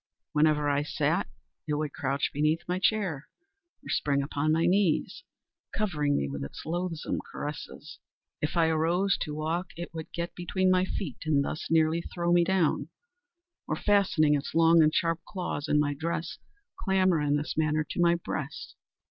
Whenever I sat, it would crouch beneath my chair, or spring upon my knees, covering me with its loathsome caresses. If I arose to walk it would get between my feet and thus nearly throw me down, or, fastening its long and sharp claws in my dress, clamber, in this manner, to my breast.